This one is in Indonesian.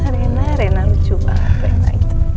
rena rena lucu banget